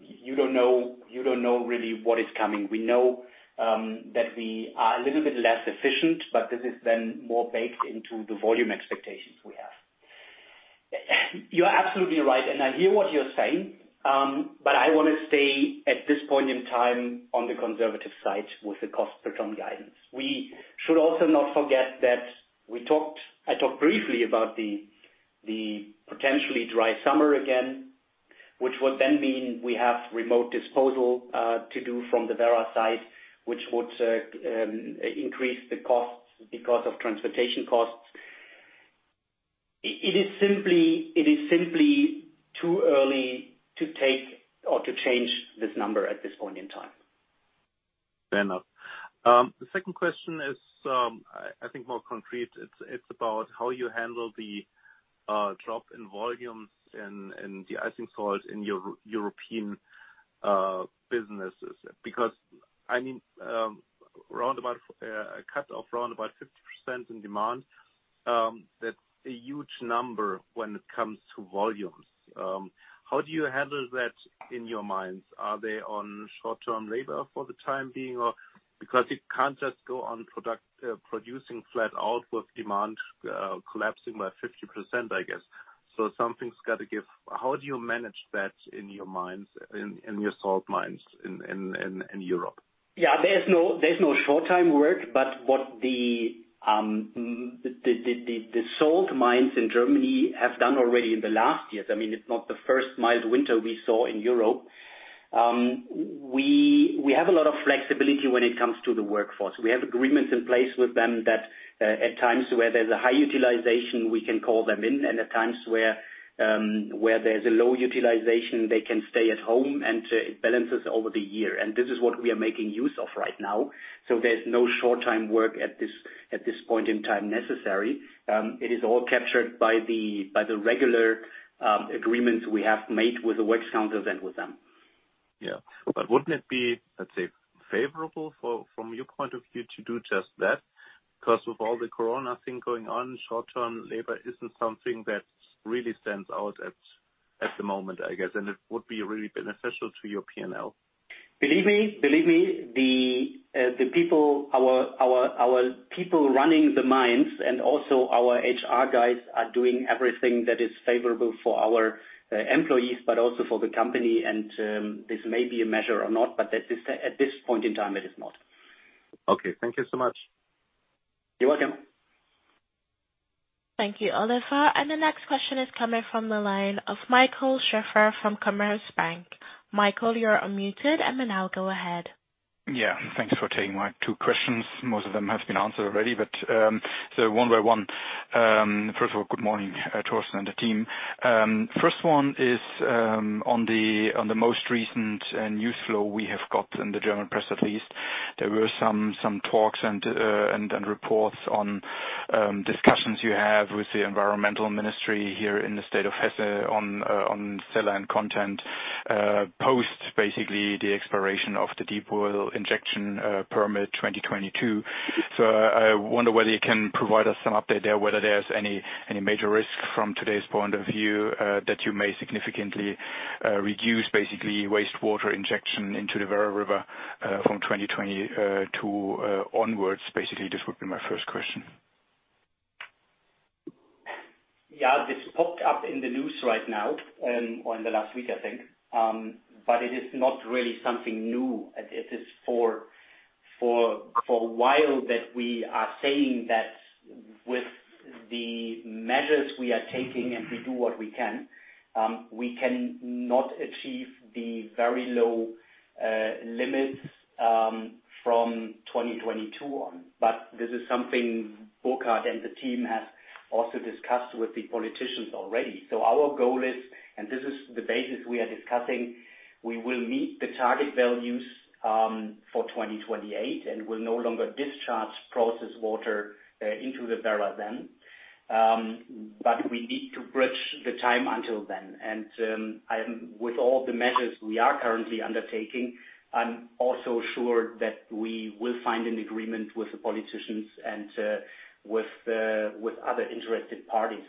you don't know really what is coming. We know that we are a little bit less efficient, but this is then more baked into the volume expectations we have. You're absolutely right, and I hear what you're saying, but I want to stay at this point in time on the conservative side with the cost per tonne guidance. We should also not forget that I talked briefly about the potentially dry summer again, which would then mean we have remote disposal to do from the Werra site, which would increase the costs because of transportation costs. It is simply too early to take or to change this number at this point in time. Fair enough. The second question is I think more concrete. It's about how you handle the drop in volume in de-icing salt in your European businesses. Because a cut of around about 50% in demand, that's a huge number when it comes to volumes. How do you handle that in your mines? Are they on short-term labor for the time being, or because it can't just go on producing flat out with demand collapsing by 50%, I guess. Something's got to give. How do you manage that in your salt mines in Europe? Yeah, there's no short-time work, but what the salt mines in Germany have done already in the last years, it's not the first mild winter we saw in Europe. We have a lot of flexibility when it comes to the workforce. We have agreements in place with them that at times where there's a high utilization, we can call them in, and at times where there's a low utilization, they can stay at home and it balances over the year. This is what we are making use of right now. There's no short-time work at this point in time necessary. It is all captured by the regular agreements we have made with the works councils and with them. Yeah. Wouldn't it be, let's say, favorable from your point of view to do just that? Because with all the corona thing going on, short-term labor isn't something that really stands out at the moment, I guess. It would be really beneficial to your P&L? Believe me, our people running the mines and also our HR guys are doing everything that is favorable for our employees, but also for the company, and this may be a measure or not, but at this point in time, it is not. Okay. Thank you so much. You're welcome. Thank you, Oliver. The next question is coming from the line of Michael Schäfer from Commerzbank. Michael, you're unmuted and now go ahead. Thanks for taking my two questions. Most of them have been answered already, one by one. First of all, good morning, Thorsten and the team. First one is on the most recent news flow we have got in the German press, at least. There were some talks and reports on discussions you have with the environmental ministry here in the state of Hesse on saline content, post basically the expiration of the deep-well injection permit 2022. I wonder whether you can provide us some update there, whether there's any major risk from today's point of view that you may significantly reduce basically wastewater injection into the Werra River from 2022 onwards, basically. This would be my first question. Yeah. This popped up in the news right now, or in the last week, I think. It is not really something new. It is for a while that we are saying that with the measures we are taking and we do what we can, we cannot achieve the very low limits from 2022 on. This is something Burkhard and the team have also discussed with the politicians already. Our goal is, and this is the basis we are discussing, we will meet the target values for 2028, and we'll no longer discharge processed water into the Werra then. We need to bridge the time until then. With all the measures we are currently undertaking, I'm also sure that we will find an agreement with the politicians and with other interested parties.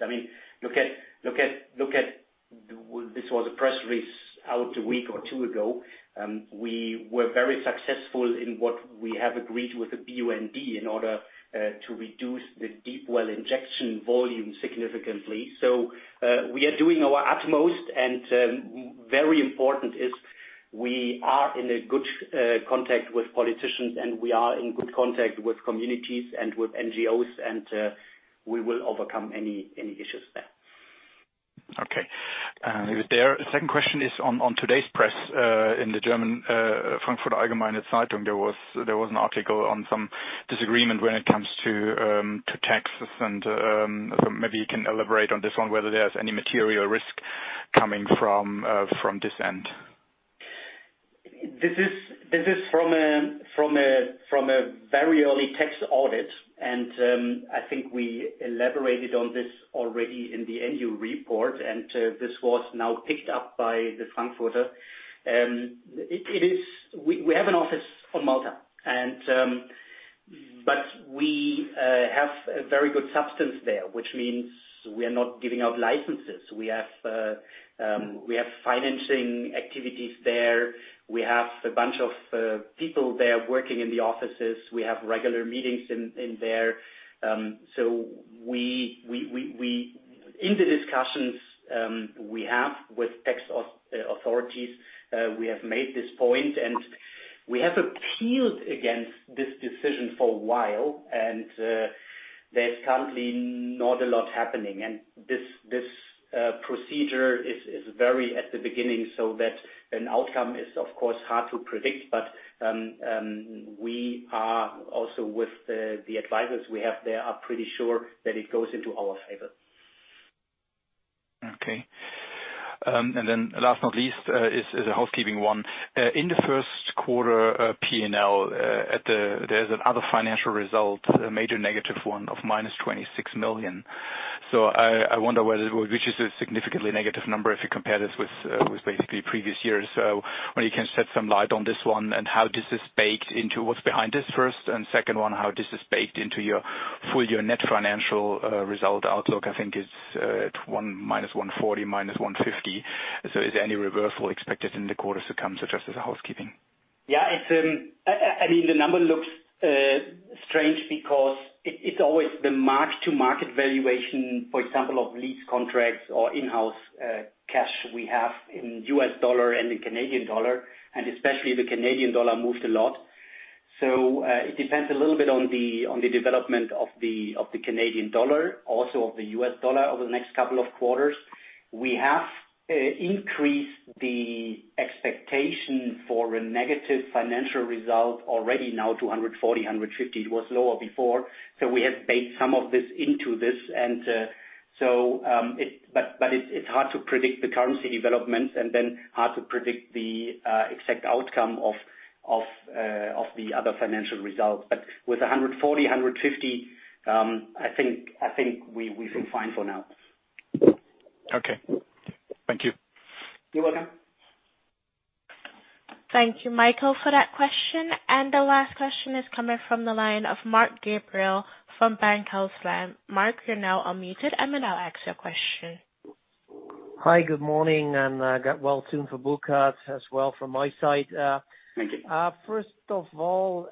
This was a press release out a week or two ago. We were very successful in what we have agreed with the BUND in order to reduce the deep-well injection volume significantly. We are doing our utmost. Very important is we are in a good contact with politicians. We are in good contact with communities and with NGOs. We will overcome any issues there. Okay. There. Second question is on today's press, in the German, Frankfurter Allgemeine Zeitung, there was an article on some disagreement when it comes to taxes and, maybe you can elaborate on this one, whether there's any material risk coming from this end. This is from a very early tax audit, and I think we elaborated on this already in the annual report, and this was now picked up by the Frankfurter. We have an office on Malta, but we have a very good substance there, which means we are not giving out licenses. We have financing activities there. We have a bunch of people there working in the offices. We have regular meetings in there. In the discussions we have with tax authorities, we have made this point, and we have appealed against this decision for a while, and there's currently not a lot happening. This procedure is very at the beginning so that an outcome is, of course, hard to predict. We are also with the advisors we have there, are pretty sure that it goes into our favor. Okay. Last, not least, is a housekeeping one. In the first quarter P&L, there's other financial result, a major negative one of -26 million. I wonder whether, which is a significantly negative number if you compare this with basically previous years. I wonder you can shed some light on this one and how this is baked into what's behind this first and second one, how this is baked into your full year net financial result outlook. I think it's at -140 million, -150 million. Is there any reversal expected in the quarters to come, just as a housekeeping? Yeah. The number looks strange because it's always the mark-to-market valuation, for example, of lease contracts or in-house cash we have in US dollar and in Canadian dollar. Especially the Canadian dollar moved a lot. It depends a little bit on the development of the Canadian dollar, also of the US dollar over the next couple of quarters. We have increased the expectation for a negative financial result already now to 140-150. It was lower before. We have baked some of this into this. It's hard to predict the currency developments and then hard to predict the exact outcome of the other financial results. With 140-150, I think we feel fine for now. Okay. Thank you. You're welcome. Thank you, Michael, for that question. The last question is coming from the line of Marc Gabriel from Bankhaus Lampe. Marc, you're now unmuted and may now ask your question. Hi. Good morning, and well soon for Burkhard as well from my side. Thank you. First of all,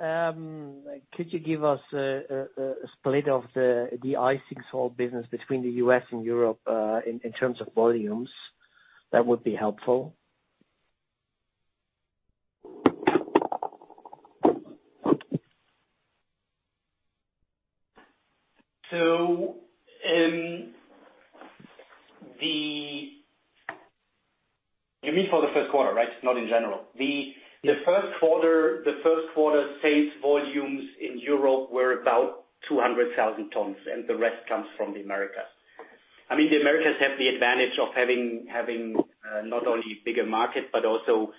could you give us a split of the de-icing salt business between the U.S. and Europe, in terms of volumes? That would be helpful. You mean for the first quarter, right? Not in general. Yes. The first quarter sales volumes in Europe were about 200,000 tonnes. The rest comes from the Americas. I mean, the Americas have the advantage of having not only a bigger market, but also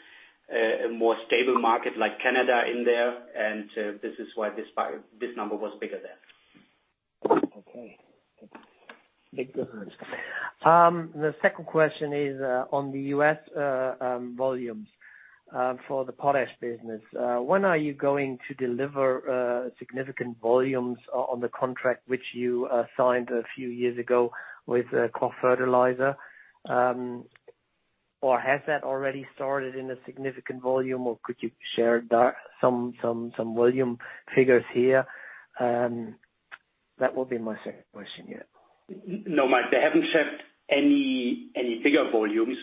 a more stable market like Canada in there, and this is why this number was bigger there. Okay. Makes good sense. The second question is on the U.S. volumes for the potash business. When are you going to deliver significant volumes on the contract which you signed a few years ago with the Koch Fertilizer? Has that already started in a significant volume, or could you share some volume figures here? That will be my second question, yeah. No, Marc, they haven't shipped any bigger volumes.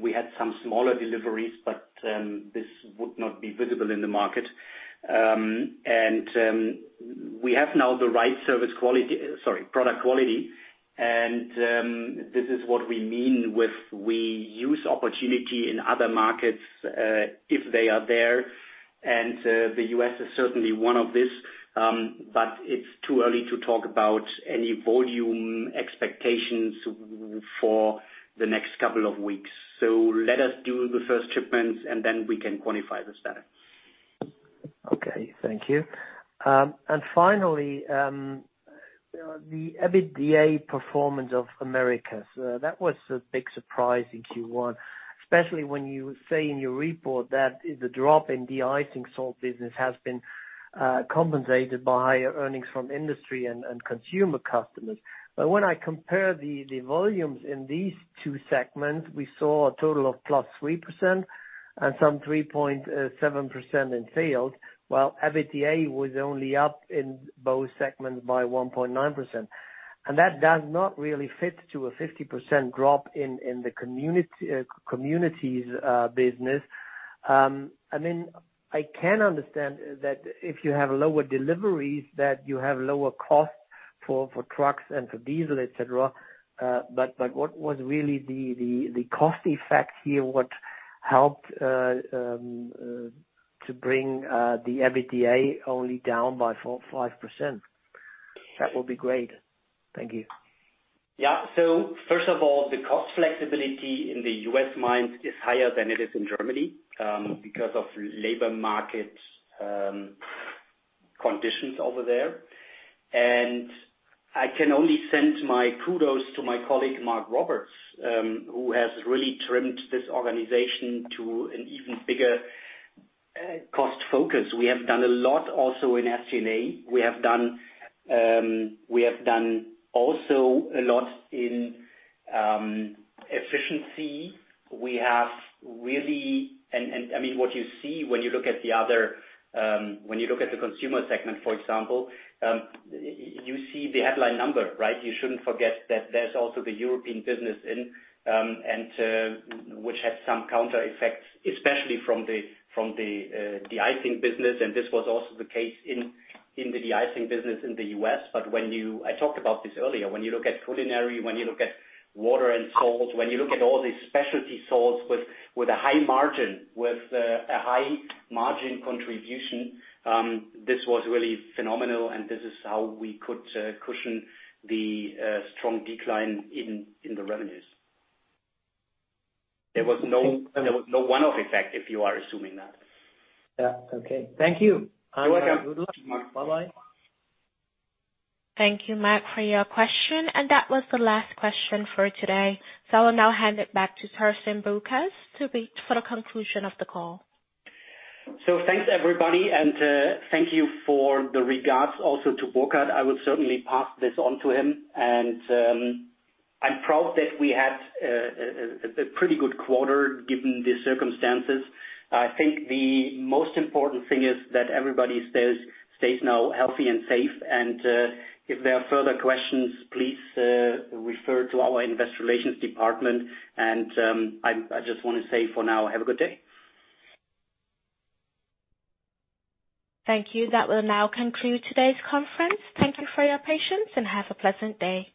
We had some smaller deliveries, but this would not be visible in the market. We have now the right service quality, sorry, product quality, and this is what we mean with we use opportunity in other markets, if they are there, and the U.S. is certainly one of this. It's too early to talk about any volume expectations for the next couple of weeks. Let us do the first shipments, and then we can quantify this better. Okay. Thank you. Finally, the EBITDA performance of the Americas. That was a big surprise in Q1, especially when you say in your report that the drop in de-icing salt business has been compensated by earnings from industry and consumer customers. When I compare the volumes in these two segments, we saw a total of +3% and some 3.7% in sales, while EBITDA was only up in both segments by 1.9%. That does not really fit to a 50% drop in the communities business. I can understand that if you have lower deliveries that you have lower costs for trucks and for diesel, et cetera, but what was really the cost effect here, what helped to bring the EBITDA only down by 5%? That would be great. Thank you. Yeah. First of all, the cost flexibility in the U.S. mines is higher than it is in Germany because of labor market conditions over there. I can only send my kudos to my colleague, Mark Roberts, who has really trimmed this organization to an even bigger cost focus. We have done a lot also in SG&A. We have done also a lot in efficiency. What you see when you look at the consumer segment, for example, you see the headline number, right? You shouldn't forget that there's also the European business in, which had some counter effects, especially from the de-icing business, and this was also the case in the de-icing business in the U.S. I talked about this earlier. When you look at culinary, when you look at water and salts, when you look at all the specialty salts with a high margin contribution, this was really phenomenal, and this is how we could cushion the strong decline in the revenues. There was no one-off effect, if you are assuming that. Yeah. Okay. Thank you. You're welcome. Good luck. Bye-bye. Thank you, Marc, for your question. That was the last question for today. I will now hand it back to Thorsten Boeckers for the conclusion of the call. Thanks, everybody, and thank you for the regards also to Burkhard. I will certainly pass this on to him. I'm proud that we had a pretty good quarter given the circumstances. I think the most important thing is that everybody stays now healthy and safe. If there are further questions, please refer to our Investor Relations department. I just want to say for now, have a good day. Thank you. That will now conclude today's conference. Thank you for your patience, and have a pleasant day.